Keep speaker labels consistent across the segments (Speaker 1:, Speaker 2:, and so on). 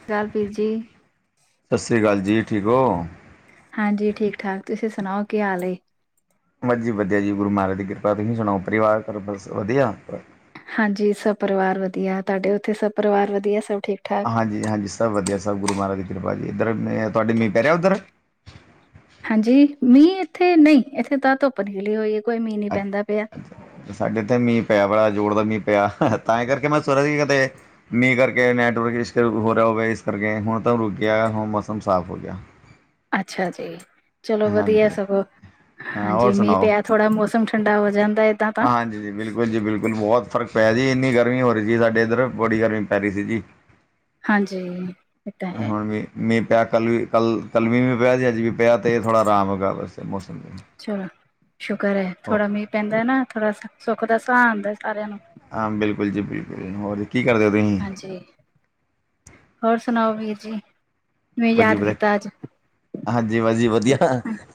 Speaker 1: ਸਤ ਸੀ੍ ਅਕਾਲ ਵੀਰ ਜੀ।
Speaker 2: ਸਤਿ ਸ਼੍ਰੀ ਅਕਾਲ ਜੀ, ਠੀਕ ਹੋ?
Speaker 1: ਹਾਂਜੀ, ਠੀਕ ਠਾਕ ਤੁਸੀਂ ਸੁਣਾਓ ਕੀ ਹਾਲ?
Speaker 2: ਬਸ ਜੀ ਵਧੀਆ ਜੀ ਗੁਰੂ ਮਹਾਰਾਜ ਦੀ ਕਿਰਪਾ ਤੁਸੀਂ ਸੁਣਾਓ ਪਰਿਵਾਰ ਬਸ ਵਧੀਆ?
Speaker 1: ਹਾਂਜੀ, ਸਭ ਪਰਿਵਾਰ ਵਧੀਆ ਤੁਹਾਡੇ ਉੱਥੇ ਸਭ ਪਰਿਵਾਰ ਵਧੀਆ ਸਭ ਠੀਕ-ਠਾਕ।
Speaker 2: ਹਾਂਜੀ-ਹਾਂਜੀ, ਸਭ ਵਧੀਆ ਸਭ ਗੁਰੂ ਮਹਾਰਾਜ ਦੀ ਕਿਰਪਾ ਜੀ ਇੱਧਰ ਮ ਤੁਹਾਡ ਮੀਂ ਪੈ ਰਿਹਾ ਉੱਧਰ?
Speaker 1: ਹਾਂਜੀ, ਮੀਂਹ ਇੱਥੇ ਨਹੀਂ ਇੱਥੇ ਤਾਂ ਧੁੱਪ ਨਿਕਲੀ ਹੋਈ ਹੈ ਕੋਈ ਮੀਂਹ ਨੀ
Speaker 2: ਅੱਛਾ,
Speaker 1: ਪੈਂਦਾ ਪਿਆ।
Speaker 2: ਸਾਡੇ ਤੇ ਮੀਂਹ ਪਿਆ ਬੜਾ ਜ਼ੋਰ ਦਾ ਮੀਂਹ ਪਿਆ ਤਾਂ ਹੀ ਕਰਕੇ ਮੈ ਸੋਚ ਰਿਆ ਸੀ ਤੇ ਨਹੀਂ ਮੀਂਹ ਕਰਕੇ ਨੈਟਵਰਕ ਇਸੂ ਹੋ ਰਿਹਾ ਹੋਵੇ ਇਸ ਕਰਕੇ ਹੁਣ ਤਾਂ ਰੁਕ ਗਿਆ ਹੁਣ ਮੌਸਮ ਸਾਫ਼ ਹੋ ਗਿਆ।
Speaker 1: ਅੱਛਾ ਜੀ, ਚਲੋ
Speaker 2: ਹਾਂਜੀ
Speaker 1: ਵਧੀਆ ਸਗੋਂ,
Speaker 2: ਹਾਂ
Speaker 1: ਹਾਂਜੀ
Speaker 2: ਹੋਰ
Speaker 1: ਮੀਂਹ
Speaker 2: ਸੁਣਾਓ
Speaker 1: ਪਿਆ। ਥੋੜਾ ਮੌਸਮ ਠੰਡਾ ਹੋ ਜਾਂਦਾ। ਏਦਾਂ ਤਾਂ
Speaker 2: ਹਾਂਜੀ- ਜੀ, ਬਿਲਕੁਲ। ਬਿਲਕੁਲ ਜੀ ਬਿਲਕੁਲ, ਬਹੁਤ ਫਰਕ ਪਿਆ ਜੀ ਇੰਨੀ ਗਰਮੀ ਹੋ ਰਹੀ ਸੀ ਸਾਡੇੱ ਇਧਰ ਬੜੀ ਗਰਮੀ ਪੈ ਰਹੀ ਸੀ ਜੀ
Speaker 1: ਹਾਂਜ, ਇਹ ਤਾਂ ਹੈ।
Speaker 2: ਮਿਹ ਪਿਆ ਕੱਲ ਵੀ ਕੱਲ-ਕੱਲ ਮੀਂ ਪਿਆ ਸੀ ਅੱਜ ਵੀ ਪਿਆ ਤਾਂ ਥੋੜ੍ਹਾ ਆਰਾਮ ਹੋਗਾ ਬਸ ਮੌਸਮ ਤੇ।
Speaker 1: ਚਲੋ ਸ਼ੁਕਰ ਹੈ,
Speaker 2: ਹੋ
Speaker 1: ਥੋੜਾ ਮੀਂਹ ਪੈਂਦਾ ਹੈ ਨਾ ਥੋੜਾ ਸੁੱਖ ਦਾ ਸਿਹ ਆਉਂਦਾ ਸਾਰਿਆਂ ਨੂੰ।
Speaker 2: ਹਾਂ, ਬਿਲਕੁਲ ਜੀ ਬਿਲਕੁਲ, ਹੋਰ ਕੀ ਕਰਦੇ ਹੋ ਤੁਸੀਂ?
Speaker 1: ਜੀ, ਹੋਰ ਸੁਣਾਓ ਵੀਰ ਜੀ ਕਿਵੇਂ
Speaker 2: ਵਜੀ
Speaker 1: ਯਾਦ
Speaker 2: ਵਧ
Speaker 1: ਕੀਤਾ ਅੱਜ?
Speaker 2: ਹਾਂਜੀ, ਬਸ ਜੀ ਵਧੀਆ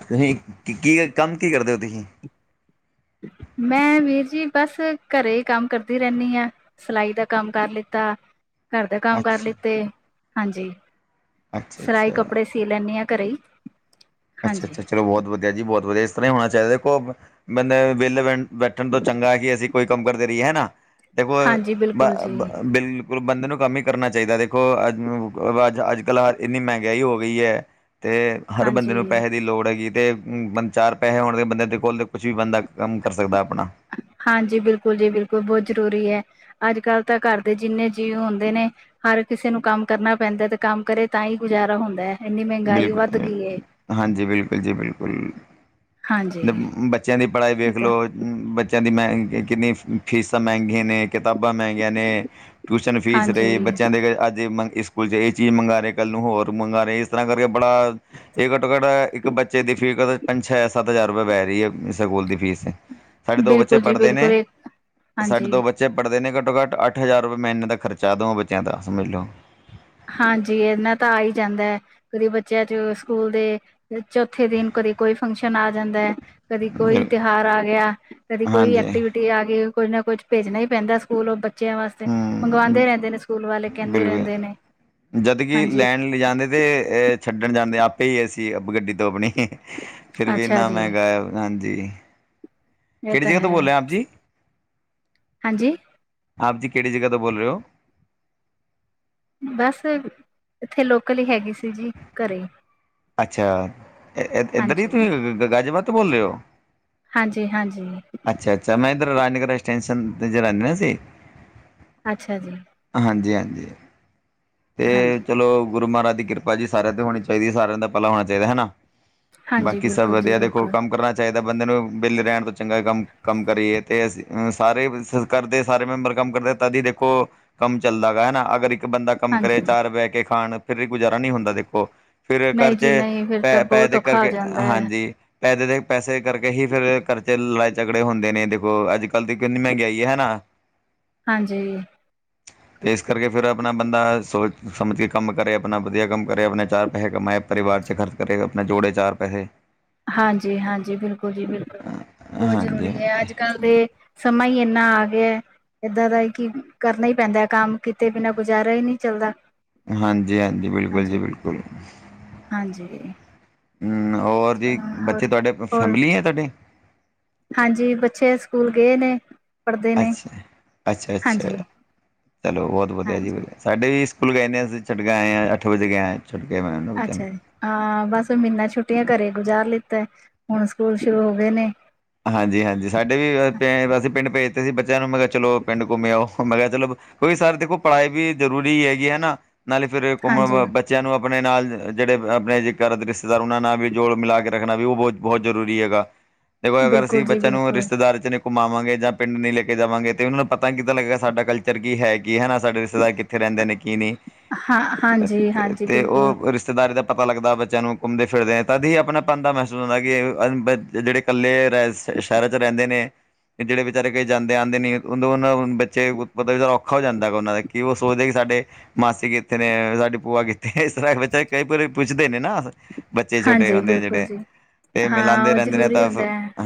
Speaker 2: ਤੁਸੀਂ ਕੀ ਕੰਮ ਕੀ ਕਰਦੇ ਹੋ ਤੁਸੀਂ?
Speaker 1: ਮੈਂ ਵੀਰ ਜੀ ਬਸ ਘਰੇ ਹੀ ਕੰਮ ਕਰਦੀ ਰਹਿੰਦੀ ਹਾਂ। ਸਿਲਾਈ ਦਾ ਕੰਮ ਕਰ ਲਿੱਤਾ। ਘਰ ਦੇ ਕੰਮ ਕਰ
Speaker 2: ਅੱਛਾ
Speaker 1: ਲਿੱਤੇ ਹਾਂਜੀ,
Speaker 2: ਅੱਛਾ
Speaker 1: ਸਲਾਈ
Speaker 2: ਅੱਛਾ
Speaker 1: ਕੱਪੜੇ ਸੀ ਸੀ ਲੈਂਦੀ ਹਾਂ ਘਰੇ ਹੀ। ਹਾਂਜੀ
Speaker 2: ਅੱਛਾ-ਅੱਛਾ, ਚਲੋ ਬਹੁਤ ਵਧੀਆ ਜੀ- ਬਹੁਤ ਵਧੀਆ ਇਸ ਤਰ੍ਹਾਂ ਹੀ ਹੋਣਾ ਚਾਹੀਦਾ ਦੇਖੋ ਬੰਦੇ ਵਿਲੇ ਬੈ ਬੈਠਣ ਤੋਂ ਚੰਗਾ ਕਿ ਅਸੀਂ ਕੋਈ ਕੰਮ ਕਰਦੇ ਰਹੀਏ ਹੈ ਹੈਨਾ ਦੇਖੋ
Speaker 1: ਹਾਂਜੀ ਬਿਲਕੁਲ ਜੀ
Speaker 2: ਬਿਲ ਬੰਦੇ ਨੂੰ ਕੰਮ ਹੀ ਕਰਨਾ ਚਾਹੀਦਾ, ਦੇਖੋ ਅ ਅੱ ਅੱਜ-ਕੱਲ੍ਹ ਇੰਨੀ ਮਹਿੰਗਾਈ ਹੋ ਗਈ ਹੈ। ਤੇ ਹਰ
Speaker 1: ਹਾਂਜੀ
Speaker 2: ਬੰਦੇ ਨੂੰ ਪੈਸੇ ਦੀ ਲੋੜ ਹੈਗੀ ਤੇ ਚਾਰ ਪੈਸੇ ਹੋਣ ਦੇ ਬੰਦੇ ਦੇ ਕੋਲ ਕੁਛ ਵੀ ਬੰਦਾ ਕੰਮ ਕਰ ਸਕਦਾ ਆਪਣਾ।
Speaker 1: ਹਾਂਜੀ, ਬਿਲਕੁਲ ਜੀ ਬਿਲਕੁਲ, ਬਹੁਤ ਜ਼ਰੂਰੀ ਹੈ। ਅੱਜ- ਕੱਲ ਤਾਂ ਘਰ ਦੇ ਜਿੰਨੇ ਜੀਵ ਹੁੰਦੇ ਨੇ ਹਰ ਕਿਸੇ ਨੂੰ ਕੰਮ ਕਰਨਾ ਪੈਂਦਾ ਤੇ ਕੰਮ ਕਰੇ ਤਾਂ ਹੀ ਗੁਜ਼ਾਰਾ ਹੁੰਦਾ ਹੈ। ਇੰਨੀ ਮਹਿੰਗਾਈ ਵੱਧ
Speaker 2: ਬਿਲਕੁਲ
Speaker 1: ਗਈ ਹੈ
Speaker 2: ਹਾਂਜੀ, ਬਿਲਕੁਲ ਜੀ ਬਿਲਕੁਲ।
Speaker 1: ਹਾਂਜੀ
Speaker 2: ਬੱਚਿਆਂ ਦੀ ਪੜ੍ਹਾਈ
Speaker 1: ਇਹ
Speaker 2: ਵੇਖ ਲੋ
Speaker 1: ਤਾਂ
Speaker 2: ਬੱਚਿਆਂ ਦੀ ਮ ਕਿੰਨੀ ਫੀਸਾਂ ਮਹਿੰਗੀਆਂ ਨੇ ਕਿਤਾਬਾਂ ਮਹਿੰਗੀਆਂ ਨੇ। ਟਿਊਸ਼ਨ ਫੀਸ ਰਹੇ
Speaker 1: ਹਾਂਜੀ
Speaker 2: ਬੱਚਿਆਂ ਦੇ ਅੱਜ ਮੰ ਸਕੂਲ 'ਚ ਇਹ ਚੀਜ਼ ਮੰਗਾ ਰਹੇ ਕੱਲ੍ਹ ਨੂੰ ਹੋਰ ਮੰਗਾਵਾ ਰਹੇ। ਇਸ ਤਰ੍ਹਾਂ ਕਰਕੇ ਬੜਾ ਇਹ ਘੱਟੋ-ਘੱਟ ਇੱਕ ਬੱਚੇ ਦੀ ਫੀਸ ਪੰਜ-ਛ-ਸੱਤ ਹਜ਼ਾਰ ਰੁਪਏ ਪੈ ਰਹੀ ਹੈ ਸਕੂਲ ਦੀ ਫੀਸ। ਸਾਡੇ ਦੋ ਬੱਚੇ
Speaker 1: ਬਿਲਕੁਲ ਜੀ
Speaker 2: ਪੜ੍ਹਦੇ
Speaker 1: ਬਿਲਕੁਲ,
Speaker 2: ਨੇ
Speaker 1: ਇਹ
Speaker 2: ਸਾਡੇ
Speaker 1: ਹਾਂਜੀ।
Speaker 2: ਦੋ ਬੱਚੇ ਪੜਦੇ ਨੇ ਘੱਟੋ- ਘੱਟ ਅੱਠ ਹਜ਼ਾਰ ਰੂਪੇ ਮਹੀਨੇ ਦਾ ਖਰਚਾ, ਦੋਵੇ ਬਚੇਆਂ ਦਾ ਸਮਜਲੋ।
Speaker 1: ਹਾਂਜੀ, ਐਨਾ ਤਾ ਆਈ ਜਾਂਦੈ। ਕਦੇ ਬੱਚਿਆਂ ਚ ਸਕੂਲ ਦੇ ਚੌਥੇ ਦਿਨ, ਕਦੇ ਕੋਈ ਫੰਕਸ਼ਨ ਆ ਜਾਂਦੈ। ਕਦੀ ਕੋਈ ਤਿਹਾਰ ਆ ਗਿਆ, ਕਦੀ ਕੋਈ
Speaker 2: ਹਾਂਜੀ
Speaker 1: ਐਕਟੀਵਿਟੀ ਆਗੀ ਕੁੱਜ ਨਾ ਕੁੱਜ ਭੇਜਨਾ ਈ ਪੈਂਦਾ ਸਕੂਲ, ਓਦਰ ਬੱਚਿਆਂ ਵਾਸਤੇ
Speaker 2: ਹੂੰ
Speaker 1: ਮੰਗਵਾਂਦੇ ਰਹਿੰਦੇ ਨੇ, ਸਕੂਲ ਵਾਲੇ ਕਹਿੰਦੇ
Speaker 2: ਬਿਲਕੁਲ
Speaker 1: ਰਹਿੰਦੇ ਨੇ।
Speaker 2: ਜਦ ਕਿ
Speaker 1: ਹਾਂਜੀ
Speaker 2: ਲੈਨ ਲਿਜਾਂਦੇ ਤੇ ਏ ਛੱਡਣ ਜਾਂਦੇ, ਆਪੇ ਈ ਅਸੀ ਬ ਗੱਡੀ ਤੋ ਆਪਣੀ। ਫਿਰ ਵੀ
Speaker 1: ਅੱਛਾ
Speaker 2: ਏਨਾ
Speaker 1: ਜੀ
Speaker 2: ਮਹਿੰਗਾ ਐ, ਹਾਂਜੀ
Speaker 1: ਇਹ
Speaker 2: ਕਿਹੜੀ
Speaker 1: ਤਾਂ
Speaker 2: ਜਗ੍ਹਾਂ ਤੋਂ
Speaker 1: ਹੈ
Speaker 2: ਬੋਲੇ ਆਪ ਜੀ।
Speaker 1: ਹਾਂਜੀ,
Speaker 2: ਆਪ ਜੀ ਕਿਹੜੀ ਜਗ੍ਹਾਂ ਤੋਂ ਬੋਲ ਰੇ ਓਂ।
Speaker 1: ਬਸ, ਇੱਥੇ ਲੋਕਲ ਹੀ ਹੈਗੀ ਸੀ ਜੀ, ਘਰੇ।
Speaker 2: ਅੱਛਾ, ਐ- ਐ ਏਦਰ ਈ
Speaker 1: ਹਾਂਜੀ
Speaker 2: ਤੁਸੀ ਗ ਗਾਜੀਆਬਾਦ ਤੋਂ ਬੋਲ ਰਹੇ ਓ।
Speaker 1: ਹਾਂਜੀ-ਹਾਂਜੀ।
Speaker 2: ਅੱਛਾ-ਅੱਛਾ, ਮੈਂ ਏਧਰ ਰਾਜਨਗਰ ਅਟੈਂਸਨ ਤੇ ਰਹਿੰਦਾ ਸੀ।
Speaker 1: ਅੱਛਾ ਜੀ।
Speaker 2: ਹਾਂਜੀ- ਹਾਂਜੀ। ਤੇ
Speaker 1: ਹਾਂਜੀ
Speaker 2: ਚਲੋ, ਗੁਰੂ ਮਾਰਾਜ ਦੀ ਕਿਰਪਾ ਜੀ ਸਾਰਿਆਂ ਤੇ ਹੋਣੀ ਚਾਈਦੀ ਏ, ਸਾਰਿਆਂ ਦਾ ਭਲਾ ਹੋਣਾ ਚਾਈਦਾ ਹਨਾ।
Speaker 1: ਹਾਂਜੀ
Speaker 2: ਬਾਕੀ ਸਭ
Speaker 1: ਬਿਲਕੁਲ ਜੀ
Speaker 2: ਵਧੀਆ, ਦੇਖੋ
Speaker 1: ਬਿਲਕੁਲ
Speaker 2: ਕੰਮ ਕਰਨਾ ਚਾਈਦਾ ਬੰਦੇ ਨੂੰ ਵਿਹਲੇ ਰਹਿਣ ਤੋਂ ਚੰਗਾ ਕੰਮ-ਕੰਮ ਕਰੀਏ, ਤੇ ਅਸੀਂ ਅ ਸਾਰੇ ਘਰਦੇ ਸਾਰੇ ਮੈਂਬਰ ਕੰਮ ਕਰਦੇ ਤਦੀ ਦੇਖੋ ਕੰਮ ਚੱਲਦਾ ਗਾ ਹਨਾ, ਅਗਰ ਇੱਕ ਬੰਦਾ ਕੰਮ ਕਰੇ,
Speaker 1: ਹਾਂਜੀ
Speaker 2: ਚਾਰ ਬਹਿ ਕੇ ਖਾਣ। ਫਿਰ ਵੀ ਗੁਜਾਰਾ ਨਈ ਹੁੰਦਾ ਦੇਖੋ, ਫਿਰ ਘਰ
Speaker 1: ਨਹੀਂ
Speaker 2: ਚ
Speaker 1: ਜੀ ਨਹੀਂ ਫਿਰ ਤਾਂ
Speaker 2: ਪੈ- ਪੈ
Speaker 1: ਬਹੁਤ
Speaker 2: ਦੇ
Speaker 1: ਔਖਾ ਹੋ
Speaker 2: ਕਰਕੇ,
Speaker 1: ਜਾਂਦਾ ਹੈ
Speaker 2: ਹਾਂਜੀ ਐਹ ਤੇ ਦੇਖ, ਪੈਸੇ ਕਰਕੇ ਹੀ ਫੇਰ ਕਰਜੇ ਲਾ ਝਗੜੇ ਹੁੰਦੇ ਨੇ, ਦੇਖੋ ਅੱਜ-ਕੱਲ੍ਹ ਤੇ ਕਿੰਨੀ ਮੰਹਿਗਾਈ ਐ ਹਨਾ।
Speaker 1: ਹਾਂਜੀ।
Speaker 2: ਤੇ ਏਸ ਕਰਕੇ ਫੇਰ ਆਪਨਾ ਮ ਬਾਸ ਸੋਚ ਸਮਜ ਕੇ ਕੰਮ ਕਰੇ, ਆਪਣਾ ਵਦੀਆ ਕੰਮ ਕਰੇ, ਆਪਣੇ ਚਾਰ ਪੈਹੇ ਕਮਾਏ, ਪਰਿਵਾਰ ਚ ਖਰਚ ਕਰੇ ਤੇ ਆਪਣੇ ਜੋੜੇ ਚਾਰ ਪੈਸੇ।
Speaker 1: ਹਾਂਜੀ-ਹਾਂਜੀ, ਬਿਲਕੁਲ ਜੀ ਬਿਲਕੁਲ, ਬੌਤ
Speaker 2: ਹਾਂਜੀ
Speaker 1: ਜਰੂਰੀ
Speaker 2: ਹਾਂਜੀ
Speaker 1: ਐ ਅੱਜ-ਕੱਲ੍ਹ। ਤੇ ਸਮਾਂ ਈ ਐਨਾ ਆ ਗਿਆ ਏਦਾਂ ਰਲ ਕੇ ਈ ਕਿ ਕਰਨਾ ਈ ਪੈਂਦਾ ਏ ਕੰਮ, ਕੀਤੇ ਬਿਨਾਂ ਗੁਜ਼ਾਰਾ ਈ ਨਈ ਚੱਲਦਾ।
Speaker 2: ਹਾਂਜੀ- ਹਾਂਜੀ, ਬਿਲਕੁਲ ਜੀ
Speaker 1: ਹਾਂਜੀ।
Speaker 2: ਬਿਲਕੁਲ,
Speaker 1: ਹਾਂਜੀ
Speaker 2: ਨਾ ਹੋਰ ਜੀ,
Speaker 1: ਹੋਰ
Speaker 2: ਬੱਚੇ ਤੁਹਾਡੇ ਫ
Speaker 1: ਹੋਰ
Speaker 2: ਫੈਮਿਲੀ ਏ ਤੁਹਾਡੀ।
Speaker 1: ਹਾਂਜੀ, ਬੱਚੇ ਸਕੂਲ ਗਏ ਨੇ। ਪੜ੍ਹਦੇ ਨੇ
Speaker 2: ਅੱਛਾ, ਅੱਛਾ-ਅੱਛਾ
Speaker 1: ਹਾਂਜੀ,
Speaker 2: ਚਲੋ ਬੌਤ ਵਧੀਆ ਜੀ
Speaker 1: ਹਾਂਜੀ
Speaker 2: ਵਧੀਆ, ਸਾਡੇ ਵੀ ਸਕੂਲ ਗਏ ਨੇ, ਅਸੀਂ ਛੱਡ ਕੇ ਆਏ ਆਂ, ਅੱਠ ਵਜੇ ਗਿਆਂ ਛੱਡ ਕੇ ਮੈਂ।
Speaker 1: ਅੱਛਾ ਜੀ, ਹਾਂ ਬਸ ਮੀਨਾ ਛੁੱਟੀਆਂ ਘਰੇ ਗੁਜ਼ਾਰ ਲਿੱਤਾ, ਹੁਣ ਸਕੂਲ ਸ਼ੁਰੂ ਹੋ ਗਏ ਨੇ।
Speaker 2: ਹਾਂਜੀ-ਹਾਂਜੀ, ਸਾਡੇ ਵੀ ਘਰ ਪੈਂ ਅਸੀ ਪਿੰਡ ਭੇਜਤੇ ਸੀ ਬੱਚਿਆਂ ਨੂੰ, ਮੈਂ ਕਿਆ ਚਲੋ ਪਿੰਡ ਘੁੰਮੇ ਆਓ, ਮੈਂ ਕਿਆ ਚਲੋ ਕੋਈ ਸਰ ਦੇਖੋ ਪੜਾਈ ਵੀ ਜ਼ਰੂਰੀ ਹੈਗੀ ਏ ਨਾ, ਨਾਲੇ ਫੇਰ ਘੁੰਮਨ
Speaker 1: ਹਾਂਜੀ
Speaker 2: ਬ ਬੱਚਿਆਂ ਨੂੰ ਆਪਨੇ ਨਾਲ ਅ ਜਿਹੜੇ ਆਪਣੇ ਜੇ ਘਰ ਦੇ ਰਿਸਤੇਦਾਰ, ਓਹਨਾਂ ਨਾਲ ਵੀ ਜੋੜ- ਮਿਲਾ ਕੇ ਰੱਖਨਾ ਵੀ ਓਹ ਬੋ ਬੋਤ ਜਰੂਰੀ ਹੇਗਾ। ਦੇਖੋ ਅਗਰ ਅਸੀਂ
Speaker 1: ਬਿਲਕੁਲ ਜੀ
Speaker 2: ਬੱਚਿਆਂ ਨੂੰ
Speaker 1: ਬਿਲਕੁਲ।
Speaker 2: ਰਿਸਤੇਦਾਰੀ ਚ ਨੀ ਘੁੰਮਾਵਾਂਗੇ ਜਾਂ ਪਿੰਡ ਨਈ ਲੈ ਕੇ ਜਾਵਾਂਗੇ, ਤੇ ਉਹਨਾਂ ਨੂੰ ਪਤਾ ਕਿੱਦਾਂ ਲੱਗੇਗਾ, ਸਾਡਾ ਕਲਚਰ ਕੀ ਹੈ। ਕੀ ਹੈਨਾ ਸਾਡੇ ਰਿਸ਼ਤੇਦਾਰ ਕਿੱਥੇ ਰਹਿੰਦੇ ਨੇ ਕੀ ਨੀ,
Speaker 1: ਹਾਂ
Speaker 2: ਅ
Speaker 1: ਹਾਂਜੀ, ਹਾਂਜੀ
Speaker 2: ਤੇ
Speaker 1: ਬਿਲਕੁਲ
Speaker 2: ਓਹ ਰਿ ਰਿਸਤੇਦਾਰੀ ਦਾ ਪਤਾ ਲੱਗਦਾ ਬੱਚਿਆਂ ਨੂੰ ਘੁੰਮਦੇ ਫਿਰਦੇ ਏ, ਤਦ ਹੀ ਅਪਨੇ ਪਨ ਦਾ ਮਹਿਸੂਸ ਹੁੰਦਾ, ਕਿ ਇਹ ਅ ਜਿਹੜੇ ਕੱਲੇ ਰੈਸ ਸ਼ਹਿਰਾਂ ਚ ਰਹਿੰਦੇ ਨੇ। ਜਿਹੜੇ ਵਿਚਾਰੇ ਕਈ ਜਾਂਦੇ ਆਂਦੇ ਨਈ ਉਨਾਂ- ਉਨਾਂ ਬੱਚੇ, ਮਤਲਬ ਔਖਾ ਹੋ ਜਾਂਦੈ ਓਨਾਂ ਦਾ ਕਿ, ਓਹ ਸੋਚਦੇ ਕੀ ਸਾਡੇ ਮਾਸੀ ਕਿੱਥੇ ਨੇ, ਸਾਡੀ ਭੂਆ ਕਿੱਥੇ, ਇਸ ਤਰਾਂ ਬੱਚਾ ਕਈ ਵਾਰੀ ਪੁੱਛਦੇ ਨੇ ਨਾ। ਬੱਚੇ ਛੋਟੇ
Speaker 1: ਹਾਂਜੀ
Speaker 2: ਹੁੰਦੇ
Speaker 1: ਬਿਲਕੁਲ
Speaker 2: ਜਿਹੜੇ,
Speaker 1: ਜੀ
Speaker 2: ਇਹ
Speaker 1: ਹਾਂ
Speaker 2: ਮਿਲਾਂਦੇ
Speaker 1: ਉਹ
Speaker 2: ਰਹਿੰਦੇ ਨੇ।
Speaker 1: ਜ਼ਰੂਰੀ
Speaker 2: ਤਾਂ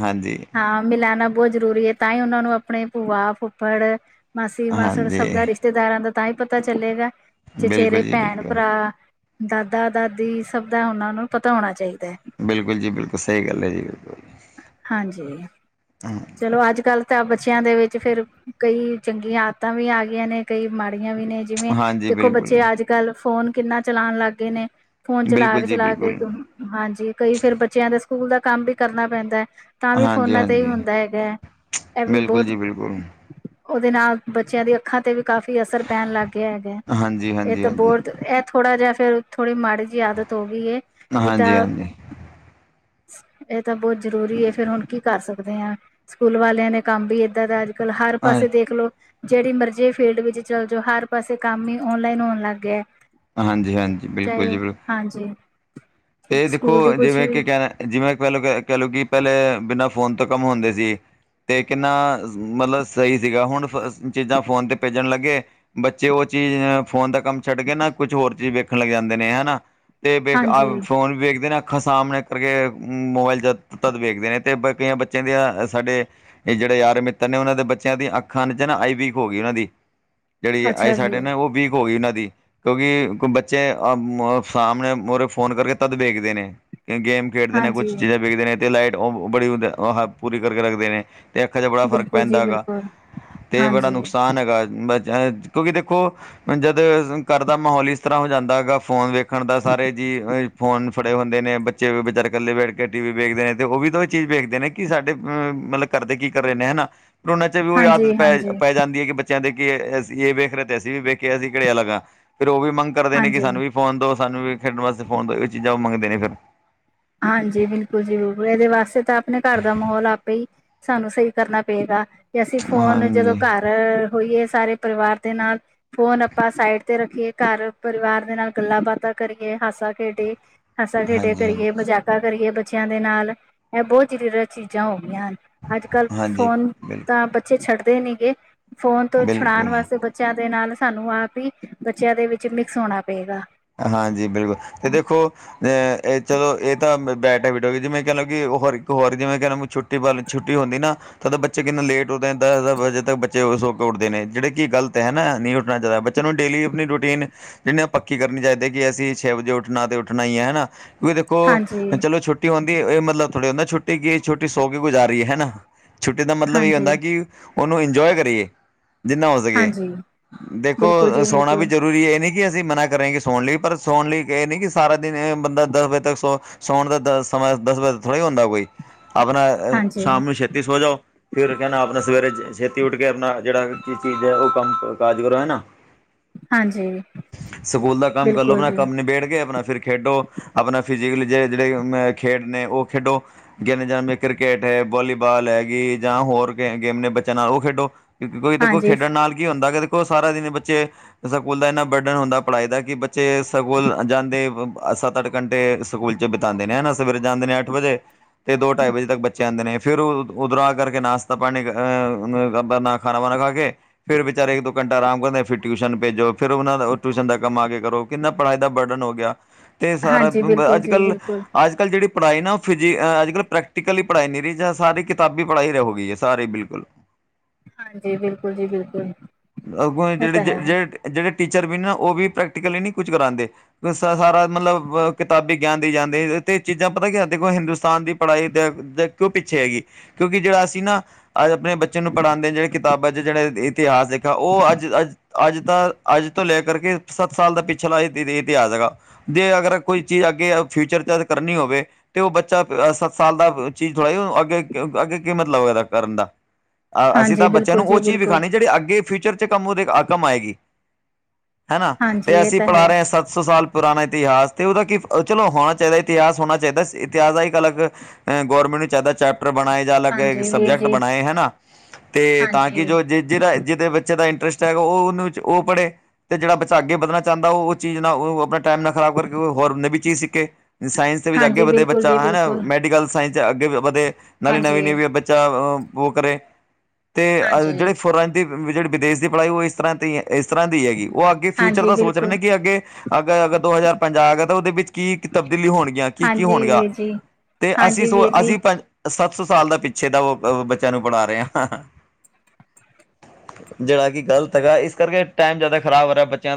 Speaker 2: ਹਾਂਜੀ
Speaker 1: ਮਿਲਾਨਾ ਬੋਤ ਜਰੂਰੀ ਏ, ਤਾਂਈ ਓਹਨਾਂ ਨੂੰ ਆਪਣੇ ਭੂਆ, ਫੁੱਫੜ ਮਾਸੀ- ਮਾਸੜ ਸਭ
Speaker 2: ਹਾਂਜੀ
Speaker 1: ਦਾ ਰਿਸ਼ਤੇਦਾਰਾਂ ਦਾ ਤਾਂਹੀ ਪਤਾ ਚੱਲੇਗਾ, ਚਚੇਰੇ
Speaker 2: ਬਿਲਕੁਲ ਜੀ
Speaker 1: ਭੈਣ-
Speaker 2: ਬਿਲਕੁਲ
Speaker 1: ਭਰਾ ਦਾਦਾ ਦਾਦੀ ਸਭ ਦਾ ਉਹਨਾ ਨੂੰ ਪਤਾ ਹੋਣਾ ਚਾਹੀਦਾ ਹੈ।
Speaker 2: ਬਿਲਕੁਲ ਜੀ ਬਿਲਕੁਲ। ਸਹੀ ਗੱਲ ਐ ਜੀ ਬਿਲਕੁਲ।
Speaker 1: ਹਾਂਜੀ। ਚਲੋ ਅੱਜ ਕੱਲ੍ਹ ਤਾਂ ਬੱਚਿਆਂ ਦੇ ਵਿੱਚ ਫੇਰ ਕਈ ਚੰਗੀਆਂ ਆਦਤਾਂ ਵੀ ਆ ਗਈਆਂ ਨੇ, ਕਈ ਮਾੜੀਆਂ ਵੀ ਨੇ। ਜਿਵੇਂ
Speaker 2: ਹਾਂਜੀ
Speaker 1: ਦੇਖੋ ਬੱਚੇ
Speaker 2: ਬਿਲਕੁਲ
Speaker 1: ਅੱਜ ਗੱਲ ਫੋਨ ਕਿੰਨਾ ਚਲਾਉਣ ਲੱਗ ਗਏ ਨੇ। ਫੋਨ ਚਲਾ
Speaker 2: ਬਿਲਕੁਲ
Speaker 1: ਕੇ
Speaker 2: ਜੀ
Speaker 1: ਚਲਾ ਕੇ
Speaker 2: ਬਿਲਕੁਲ
Speaker 1: ਹਾਂਜੀ, ਕਈ ਫੇਰ ਬੱਚਿਆਂ ਦਾ ਸਕੂਲ ਦਾ ਕੰਮ ਵੀ ਕਰਨਾ ਪੈਂਦਾ ਹੈ ਤਾਂ ਵੀ
Speaker 2: ਹਾਂਜੀ
Speaker 1: ਫੋਨਾਂ ਤੇ ਹੀ
Speaker 2: ਹਾਂਜੀ
Speaker 1: ਹੁੰ ਦ ਹੈਗਾ ਹੈ। ਇਹ ਵੀ
Speaker 2: ਬਿਲਕੁਲ
Speaker 1: ਬਹੁਤ
Speaker 2: ਜੀ ਬਿਲਕੁਲ
Speaker 1: ਉਹਦੇ ਨਾਲ ਬੱਚਿਆਂ ਦੇ ਅੱਖਾਂ ਤੇ ਵੀ ਕਾਫ਼ੀ ਅਸਰ ਪੈਣ ਲੱਗ ਗਿਆ ਹੈਗਾ ਹੈ।
Speaker 2: ਹਾਂਜੀ
Speaker 1: ਇਹ
Speaker 2: ਹਾਂਜੀ
Speaker 1: ਤਾਂ
Speaker 2: ਹਾਂਜੀ
Speaker 1: ਬੋਰਤ, ਏਹ ਥੋੜਾ ਜਿਹਾ ਫੇਰ ਥੋੜ੍ਹੀ ਮਾੜੀ ਜਿਹੀ ਆਦਤ ਹੋ ਗਈ ਹੇ, ਨਹੀਂ
Speaker 2: ਹਾਂਜੀ
Speaker 1: ਤਾਂ
Speaker 2: ਹਾਂਜੀ
Speaker 1: ਇਹ ਤਾਂ ਬਹੁਤ ਜ਼ਰੂਰੀ ਹੈ ਫੇਰ ਹੁਣ ਕੀ ਕਰ ਸਕਦੇ ਹਾਂ। ਸਕੂਲ ਵਾਲਿਆਂ ਨੇ ਕੰਮ ਵੀ ਏਦਾਂ ਦਾ ਅੱਜ ਕਲ ਹਰ
Speaker 2: ਹਾਂ
Speaker 1: ਪਾਸੇ ਦੇਖਲੋ ਜਿਹੜੀ ਮਰਜ਼ੀ ਫੀਲਡ ਵਿੱਚ ਚੱਲ ਜਾਓ, ਹਰ ਪਾਸੇ ਕੰਮ ਹੀ ਓਨਲਾਈਨ ਹੋਣ ਲੱਗ ਗਿਆ ਹੈ।
Speaker 2: ਹਾਂਜੀ ਹਾਂਜੀ। ਬਿਲਕੁਲ ਜੀ ਬਿਲਕੁਲ।
Speaker 1: ਹਾਂਜੀ।
Speaker 2: ਤੇ ਦੇਖੋ
Speaker 1: ਸਕੂਲ ਦੀ ਕੁਛ
Speaker 2: ਜਿਵੇਂ
Speaker 1: ਵੀ
Speaker 2: ਕਿ ਕਹਿਣਾ, ਜਿਵੇਂ ਪਹਿਲੋ ਕ-ਕਹਿ ਲਓ ਕਿ ਪਹਿਲੇ ਬਿਨਾਂ ਫੋਨ ਤੋਂ ਕੰਮ ਹੁੰਦੇ ਸੀ ਤੇ ਕਿੰਨਾ ਜ਼-ਮਤਲਬ ਸਹੀ ਸੀਗਾ ਹੁਣ ਫ-ਜ਼-ਚੀਜ਼ਾਂ ਫੋਨ ਤੇ ਭੇਜਣ ਲੱਗੇ ਬੱਚੇ ਉਹ ਚੀਜ਼ ਹ-ਫੋਨ ਦਾ ਕੰਮ ਛੱਡ ਕੇ ਨਾ, ਕੁਛ ਹੋਰ ਚੀਜ਼ ਵੇਖਣ ਲੱਗ ਜਾਂਦੇ ਨੇ। ਹਨਾ ਤੇ
Speaker 1: ਹਾਂਜੀ
Speaker 2: ਬੇ-ਕ-ਅ-ਵੇਖ ਫੋਨ ਵੇਖਦੇ ਨੇ, ਅੱਖਾਂ ਸਾਹਮਣੇ ਕਰਕੇ ਮੋਬਾਇਲ ਚ ਤਦ ਵੇਖਦੇ ਨੇ, ਤੇ ਬ-ਕਈਆਂ ਬੱਚਿਆਂ ਦੇ ਆਂ ਸਾਡੇ ਇਹ ਜਿਹੜੇ ਯਾਰ ਮਿੱਤਰ ਨੇ, ਉਹਨਾਂ ਦੇ ਬੱਚਿਆਂ ਦੀਆਂ ਅੱਖਾਂ ਨੇ ਚ ਨਾ ਆਈ ਵੀਕ ਹੋ ਗਈ ਉਹਨਾਂ ਦੀ। ਜਿਹੜੀ ਆਏ
Speaker 1: ਅੱਛਾ ਜੀ।
Speaker 2: ਸਾਡੇ ਨੇ ਉਹ ਵੀ ਹੋ ਗਈ ਉਹਨਾਂ ਦੀ, ਕਿਉਂਕਿ ਉਮ-ਕ-ਬੱਚੇ ਅ-ਉਮ-ਸਾਹਮਣੇ ਉਰੇ ਫੋਨ ਕਰਕੇ ਤਦ ਵੇਖਦੇ ਨੇ, ਕਿ ਗੇਮ ਖੇਡਦੇ ਨੇ,
Speaker 1: ਹਾਂਜੀ
Speaker 2: ਕੁਛ ਚੀਜ਼ਾਂ ਵੇਖਦੇ ਨੇ ਤੇ ਲਾਈਟ ਉ-ਉਹ ਬੜੀ ਉਦੇ-ਅ-ਹ-ਪੂਰੀ ਕਰਕੇ ਰੱਖਦੇ ਨੇ ਅਤੇ ਅੱਖਾਂ 'ਚ ਬੜਾ ਫ਼ਰਕ
Speaker 1: ਬਿਲਕੁਲ
Speaker 2: ਪੈਂਦਾ
Speaker 1: ਜੀ
Speaker 2: ਹੈਗਾ,
Speaker 1: ਬਿਲਕੁਲ
Speaker 2: ਅਤੇ ਬੜਾ
Speaker 1: ਹਾਂਜੀ।
Speaker 2: ਨੁਕਸਾਨ ਹੈਗਾ। ਅ-, [unintelligible] ਕਿਉਂਕਿ ਦੇਖੋ ਜਦ ਅ ਘਰ ਦਾ ਮਾਹੌਲ ਇਸ ਤਰ੍ਹਾਂ ਹੋ ਜਾਂਦਾ ਹੈਗਾ, ਫ਼ੋਨ ਵੇਖਣ ਦਾ ਸਾਰੇ ਜੀ ਅ ਫੋਨ ਫੜੇ ਹੁੰਦੇ ਨੇ ਬੱਚੇ ਵਿਚਾਰੇ ਇਕੱਲੇ ਬੈਠ ਕੇ ਟੀ ਵੀ ਵੇਖਦੇ ਨੇ, ਅਤੇ ਉਹ ਵੀ ਤਾਂ ਇਹ ਚੀਜ਼ ਵੇਖਦੇ ਨੇ ਕਿ ਸਾਡੇ ਮਤਲਬ ਕਰਦੇ ਕੀ ਕਰ ਰਹੇ ਨੇ ਹਨਾ ਕਰੋਨਾ ਚ ਵੀ ਉਹ ਆਦਤ
Speaker 1: ਹਾਂਜੀ ਹਾਂਜੀ
Speaker 2: ਪੈ-ਪੈ ਜਾਂਦੀ ਹੈ ਕਿ ਬੱਚ ਬੱਚਿਆਂ ਦੇ ਕਿ ਏ ਅਸੀ ਇਹ ਵੇਖ ਰਹੇ ਤੇ, ਅਸੀਂ ਵੀ ਵੇਖਿਏ, ਅਸੀਂ ਕੇੜੇ ਅਲੱਗ ਹਾਂ। ਫਿਰ ਉਹ ਵੀ ਮੰਗ ਕਰਦੇ ਨੇ ਕਿ
Speaker 1: ਹਾਂਜੀ।
Speaker 2: ਸਾਨੂੰ ਵੀ ਫੋਨ ਦੋ ਸਾਨੂੰ ਵੀ ਖੇਡਣ ਵਾਸਤੇ। ਫੋਨ ਦੋ ਇਹ ਚੀਜ਼ਾਂ ਉਹ ਮੰਗਦੇ ਨੇ ਫਿਰ
Speaker 1: ਹਾਂਜੀ, ਬਿਲਕੁਲ ਜੀ ਬਿਲਕੁਲ। ਇਹਦੇ ਵਾਸਤੇ ਤਾਂ ਆਪਣੇ ਘਰ ਦਾ ਮਾਹੌਲ ਆਪੇ ਹੀ ਸਾਨੂੰ ਸਹੀ ਕਰਨਾ ਪਏਗਾ। ਜੇ ਅਸੀਂ ਫੋਨ ਜਦੋਂ
Speaker 2: ਹਾਂਜੀ
Speaker 1: ਘਰ ਅ-ਹੋਈਏ ਸਾਰੇ ਪਰਿਵਾਰ ਦੇ ਨਾਲ ਫੋਨ ਆਪਾਂ ਸਾਈਟ ਤੇ ਰੱਖੀਏ, ਘਰ ਪਰਿਵਾਰ ਦੇ ਨਾਲ ਗੱਲਾਂ ਬਾਤਾਂ ਕਰੀਏ, ਹਾਸਾ ਖੇਡੀਏ ਹਾੱਸਾ ਖੇਡੇ
Speaker 2: ਹਾਂਜੀ ਹਾਂਜੀ
Speaker 1: ਕਰੀਏ, ਮਜ਼ਾਕਾ ਕਰੀਏ ਬੱਚਿਆਂ ਦੇ ਨਾਲ। ਇਹ ਬਹੁਤ ਹੀ ਜ਼ਰੂਰੀ ਚੀਜ਼ਾਂ ਹੋ ਗਈਆਂ ਹਨ। ਅੱਜ ਕੱਲ
Speaker 2: ਹਾਂਜੀ
Speaker 1: ਫੋਨ ਤਾਂ
Speaker 2: ਬਿਲਕੁਲ
Speaker 1: ਬੱਚੇ ਛੱਡਦੇ ਨੀ ਗੇ। ਫੋਨ ਤੋਂ ਛੁਡਾਉਣ
Speaker 2: ਬਿਲਕੁਲ
Speaker 1: ਵਾਸਤੇ ਬਚ ਬੱਚਿਆਂ ਦੇ ਨਾਲ ਸਾਨੂੰ ਆਪ ਹੀ, ਬੱਚਿਆਂ ਦੇ ਵਿੱਚ ਮਿਕਸ ਹੋਣਾ ਪਏਗਾ।
Speaker 2: ਹਾਂਜੀ ਬਿਲ-ਅਤੇ ਦੇਖੋ ਅ ਇਹ ਚਲੋ ਇਹ ਤਾਂ ਬੈਡ ਹੈਬਿਟ ਹੋ ਗਈ, ਜਿਵੇਂ ਕਹਿ ਲਓ ਕਿ ਹੋਰ ਇੱਕ ਹੋਰ ਜਿਵੇਂ ਕਹਿ ਲੋ ਛੁੱਟੀ ਤੇ ਵੱਲ ਛੁੱਟੀ ਹੁੰਦੀ ਨਾ ਤਾਂ ਬੱਚੇ ਕਿੰਨਾ ਲੇਟ ਹੋਦੇ ਨੇ ਦਸ-ਦਸ ਵਜੇ ਤੱਕ ਬੱਚੇ ਸੋੱ ਕੇ ਉੱਠਦੇ ਨੇ, ਜਿਹੜੇ ਕਿ ਗਲਤ ਹੈ ਨਾ ਨਹੀਂ ਉੱਠਣਾ ਚਾਹੀਦਾ। ਬੱਚਿਆਂ ਨੂੰ ਡੇਲੀ ਆਪਣੀ ਰੂਟੀਨ, ਜਿਹਨੀਆਂ ਆਪਾ ਕੀ ਕਰਨੀ ਚਾਹੀਦੀ ਕਿ ਅਸੀਂ ਛੇ ਵਜੇ ਉੱਠਣਾ ਅਤੇ ਉੱਠਣਾ ਈ ਐ। ਹੈਨਾ ਵੀ ਦੇਖੋ
Speaker 1: ਹਾਂਜੀ
Speaker 2: ਚਲੋ ਛੋਟੀ ਛੁੱਟੀ ਹੁੰਦੀ, ਇਹ ਮਤਲਬ ਥੋੜ੍ਹੀ ਹੁੰਦਾ ਛੁੱਟੀ ਕੀ ਛੁਟੀ ਸੌ ਗੁਜ਼ਾਰੀ ਹੈ ਨਾ, ਛੁੱਟੀ ਦਾ ਮਤਲਬ ਇਹ
Speaker 1: ਹਾਂਜੀ
Speaker 2: ਹੁੰਦਾ ਕਿ ਉਹਨੂੰ ਇੰਜੋਏ ਕਰੀਏ ਜਿੰਨਾ ਹੋ ਸਕੇ।
Speaker 1: ਹਾਂਜੀ
Speaker 2: ਦੇਖੋ
Speaker 1: ਬਿਲਕੁਲ ਜੀ
Speaker 2: ਸੋਣਾ ਵੀ
Speaker 1: ਬਿਲਕੁਲ
Speaker 2: ਜ਼ਰੂਰੀ ਹੇ। ਇਹ ਨਹੀਂ ਕਿ ਅਸੀਂ ਮਨਾ ਕਰ ਕਰੇਗੀ ਸੌਣ ਲਈ। ਪਰ ਸੌਣ ਲਈ ਇਹ ਨਹੀਂ ਕਿ ਸਾਰਾ ਦਿਨ ਏਹ ਬੰਦਾ ਦਸ ਵਜੇ ਤੱਕ ਸੌ ਸਉਣ ਦਾ ਦ ਸਮਾਂ ਦਸ ਵਜੇ ਥੋੜਾ ਹੀ ਹੁੰਦਾ ਕੋਈ। ਆਪਣਾ
Speaker 1: ਹਾਂਜੀ
Speaker 2: ਸ਼ਾਮ ਨੂੰ ਛੇਤੀ ਸੋ ਜਾਓ। ਫਿਰ ਕਹਿਣਾ ਆਪਣਾ ਸਵੇਰੇ ਛੇਤੀ ਉੱਠ ਕੇ ਆਪਣਾ ਜਿਹੜਾ ਕੀ ਚੀਜ਼ ਹੈ ਉਹ ਕੰਮ ਕਾਜ ਕਰੋ ਨਾ
Speaker 1: ਹਾਂਜੀ।
Speaker 2: ਸਕੂਲ ਦਾ ਕੰਮ ਕਰ ਲਓ
Speaker 1: ਬਿਲਕੁਲ
Speaker 2: ਆਪਣਾ
Speaker 1: ਜੀ
Speaker 2: ਕੰਮ ਨਬੇੜ ਕੇ ਆਪਣਾ ਫਿਰ ਖੇਡੋ। ਆਪਣਾ ਫਿਜੀਕਲੀ ਜ ਜਿਹੜੇ ਅਹ ਖੇਡ ਨੇ ਉਹ ਖੇਡੋ। ਗੇਦੇ ਜਾ ਕ੍ਰਿਕਟ ਹੈ ਬੋਲੀਵਾਲ ਹੈਗੀ ਜਾਂ ਹੋਰ ਗੇਮ ਨੇ ਬੱਚਿਆਂ ਨਾਲ ਉਹ ਖੇਡੋ। ਕਿਉਂਕਿ ਕੋਈ ਦੇਖੋ
Speaker 1: ਹਾਂਜੀ
Speaker 2: ਖੇਡਣ ਨਾਲ ਕੀ ਹੁੰਦਾ ਕਿ ਦੇਖੋ ਸਾਰਾ ਦਿਨ ਬੱਚੇ ਸਕੂਲ ਦਾ ਇੰਨਾ ਬਰਡਨ ਹੁੰਦਾ, ਪੜ੍ਹਾਈ ਦਾ ਕਿ ਬੱਚੇ ਸਕੂਲ ਜਾਂਦੇ ਸੱਤ ਅੱਠ ਘੰਟੇ ਸਕੂਲ ਚ ਬਿਤਾਉਂਦੇ ਨੇ ਨਾ ਸਵੇਰੇ ਜਾਂਦੇ ਨੇ ਅੱਠ ਵਜੇ ਤੇ ਦੋ ਢਾਈ ਵਜੇ ਤੱਕ ਬੱਚੇ ਆਉਂਦੇ ਨੇ। ਫਿਰ ਉੱਧਰੋਂ ਆ ਕਰਕੇ ਨਾਸ਼ਤਾ ਪਾਣੀ ਆ ਖਾਣਾ ਵਾਣਾ ਖਾ ਕੇ। ਫਿਰ ਵਿਚਾਰੇ ਇੱਕ ਦੋ ਘੰਟਾ ਆਰਾਮ ਕਰਿੰਦੇ ਫਿਰ ਟਿਊਸ਼ਨ ਭੇਜੋ ਫਿਰ ਉਹਨਾਂ ਦਾ, ਟਿਊਸ਼ਨ ਦਾ ਕੰਮ ਆ ਕੇ ਕਰੋ ਕਿੰਨਾ ਪੜ੍ਹਾਈ ਦਾ ਬਰਡਨ ਹੋ ਗਿਆ। ਤੇ ਸਾਰਾ
Speaker 1: ਹਾਂਜੀ ਬਿਲਕੁਲ
Speaker 2: ਅੱਜ
Speaker 1: ਜੀ
Speaker 2: ਕੱਲ੍ਹ
Speaker 1: ਬਿਲਕੁਲ
Speaker 2: ਅੱਜ ਕੱਲ੍ਹ ਜਿਹੜੀ ਪੜ੍ਹਾਈ ਨਾ ਉਹ ਫਿ ਅੱਜ ਕੱਲ੍ਹ ਪ੍ਰੈਕਟੀਕਲੀ ਪੜ੍ਹਾਈ ਨਹੀਂ ਰਹੀ ਜਾਂ ਸਾਰੀ ਕਿਤਾਬੀ ਪੜ੍ਹਾਈ ਹੋ ਗਈ ਹੈ ਸਾਰੀ ਬਿਲਕੁਲ।
Speaker 1: ਹਾਂਜੀ, ਬਿਲਕੁਲ ਜੀ ਬਿਲਕੁਲ।
Speaker 2: ਅੱਗੋਂ
Speaker 1: ਇਹ ਤਾਂ ਹੈ
Speaker 2: ਜਿਹੜੇ ਟੀਚਰ ਵੀ ਉਹ ਵੀ ਪ੍ਰੈਕਟੀਕਲੀ ਨਹੀਂ ਕੁਝ ਕਰਾਉਦੇ। ਸਾਰਾ ਮਤਲਬ ਕਿਤਾਬੀ ਗਿਆਨ ਦਈ ਜਾਂਦੇ ਤੇ ਚੀਜ਼ਾਂ ਪਤਾ ਕੀ ਦੇਖੋ ਹਿੰਦੁਸਤਾਨ ਦੀ ਪੜ੍ਹਾਈ ਦੇ, ਕਿਉਂ ਪਿੱਛੇ ਹੈਗੀ, ਕਿਉਂਕਿ ਜਿਹੜਾ ਅਸੀਂ ਨਾ ਅੱਜ ਆਪਣੇ ਬੱਚੇ ਨੂੰ ਪੜ੍ਹਾਉਦੇ ਜਿਹੜਾ ਕਿਤਾਬਾਂ ਜਿਹੜੇ ਇਤਿਹਾਸ ਉਹ ਅੱਜ ਅੱਜ ਅੱਜ ਤਾਂ ਅੱਜ ਤੋਂ ਲੈ ਕਰਕੇ ਸੱਤ ਸਾਲ ਦਾ ਪਿਛਲਾ ਇਤਿਹਾਸ ਹੈਗਾ। ਜੇ ਅਗਰ ਕੋਈ ਚੀਜ਼ ਅੱਗੇ ਫਿਊਚਰ ਚ ਅੱਜ ਕਰਨੀ ਹੋਵੇ। ਤੇ ਉਹ ਬੱਚਾ ਸੱਤ ਸਾਲ ਦਾ ਚੀਜ਼ ਥੋੜ੍ਹਾ ਕੀ ਅੱਗੇ ਅੱਗੇ ਕੀ ਮਤਲਬ ਕਰਨ ਦਾ, ਅ ਅਸੀਂ ਤਾਂ
Speaker 1: ਹਾਂਜੀ
Speaker 2: ਬੱਚਿਆਂ
Speaker 1: ਬਿਲਕੁਲ
Speaker 2: ਨੂੰ ਉਹ
Speaker 1: ਜੀ
Speaker 2: ਚੀਜ਼
Speaker 1: ਬਿਲਕੁਲ
Speaker 2: ਵਿਖਾਉਣੀ ਜਿਹੜੇ ਅੱਗੇ, ਫਿਊਚਰ ਚ ਕੰਮ ਉਹਦੇ ਕੰਮ ਆਏਗੀ, ਹਨਾ
Speaker 1: ਹਾਂਜੀ
Speaker 2: ਤੇ
Speaker 1: ਇਹ
Speaker 2: ਅਸੀਂ
Speaker 1: ਤਾਂ
Speaker 2: ਪੜ੍ਹਾ
Speaker 1: ਹੈ
Speaker 2: ਰਹੇ ਹਾਂ ਸੱਤ ਸੌ ਸਾਲ ਪੁਰਾਣਾ ਇਤਿਹਾਸ ਤੇ ਉਹਦਾ ਕੀ ਚਲੋ ਹੋਣਾ ਚਾਹੀਦਾ ਇਤਿਹਾਸ ਹੋਣਾ ਚਾਹੀਦਾ ਇਤਿਹਾਸ ਦਾ ਇੱਕ ਅਲੱਗ ਅ ਗੌਰਮੈਂਟ ਨੂੰ ਚਾਹੀਦਾ ਚੈਪਟਰ ਬਣਾਏ, ਅਲੱਗ
Speaker 1: ਹਾਂਜੀ ਵੀਰ
Speaker 2: ਸਬਜੈਕਟ
Speaker 1: ਜੀ
Speaker 2: ਬਣਾਏ ਹਨਾ, ਤੇ ਤਾਂ ਕਿ
Speaker 1: ਹਾਂਜੀ
Speaker 2: ਜੋ ਜ ਜਿਹੜਾ ਜਿਹਦੇ ਵਿੱਚ ਬੱਚੇ ਦਾ ਇੰਟਰਸਟ ਹੈਗਾ ਉਹਨੂੰ ਉਹ ਪੜ੍ਹੇ, ਅਤੇ ਜਿਹੜਾ ਬੱਚਾ ਅੱਗੇ ਵੱਧਣਾ ਚਾਹੁੰਦਾ ਉਹ ਚੀਜ਼ ਨਾ ਉਹ ਆਪਣਾ ਟਾਈਮ ਨਾਲ ਖਰਾਬ ਕਰਕੇ ਹੋਰ ਨਵੀਂ ਚੀਜ਼ ਸਿੱਖੇ। ਸਾਇੰਸ ਦੇ ਵਿੱਚ ਅੱਗੇ
Speaker 1: ਹਾਂਜੀ
Speaker 2: ਵਧੇ
Speaker 1: ਬਿਲਕੁਲ
Speaker 2: ਬੱਚਾ
Speaker 1: ਜੀ
Speaker 2: ਹਨਾ
Speaker 1: ਬਿਲਕੁਲ
Speaker 2: ਮੈਡੀਕਲ ਸਾਇੰਸ ਚ ਅੱਗੇ ਵਧੇ ਨਾਲੇ ਨਵੀਂ
Speaker 1: ਹਾਂਜੀ
Speaker 2: ਨਵੀ ਬੱਚਾ ਉਹ ਕਰੇ, ਅਤੇ
Speaker 1: ਹਾਂਜੀ
Speaker 2: ਜਿਹੜੇ ਫੋਰਨ ਦੀ ਜਿਹੜੀ ਵਿਦੇਸ਼ ਦੀ ਪੜ੍ਹਾਈ ਉਹ ਇਸ ਤਰ੍ਹਾਂ ਦੀ ਹੈ। ਇਸ ਤਰ੍ਹਾਂ ਦੀ ਹੈਗੀ ਉਹ ਅੱਗੇ ਫਿਊਚਰ
Speaker 1: ਹਾਂਜੀ
Speaker 2: ਦਾ ਸੋਚ ਰਹੇ
Speaker 1: ਬਿਲਕੁਲ
Speaker 2: ਨੇ ਕਿ ਅੱਗੇ ਅਗਰ ਅੱਗੇ ਦੋ ਹਜ਼ਾਰ ਪੰਜਾਹ ਆ ਗਿਆ ਤਾਂ ਉਹਦੇ ਵਿੱਚ ਕੀ ਤਬਦੀਲੀ ਹੋਣਗੀਆਂ ਕੀ ਕੀ
Speaker 1: ਹਾਂਜੀ
Speaker 2: ਹੋਣਗੀਆਂ
Speaker 1: ਵੀਰ ਜੀ
Speaker 2: ਤੇ ਅਸੀਂ
Speaker 1: ਹਾਂਜੀ
Speaker 2: ਸੋ
Speaker 1: ਵੀਰ ਜੀ
Speaker 2: ਅਸੀਂ ਪੰਜ ਸੱਤ ਸੌ ਸਾਲ ਦਾ ਪਿੱਛੇ ਦਾ ਉਹ ਬੱਚਿਆਂ ਨੂੰ ਪੜ੍ਹਾ ਰਹੇ ਹਾਂ। ਜਿਹੜਾ ਕਿ ਗਲਤ ਹੈਗਾ ਇਸ ਕਰਕੇ ਟਾਈਮ ਜ਼ਿਆਦਾ ਖਰਾਬ ਹੋ ਰਿਹਾ ਬੱਚਿਆਂ ਦਾ।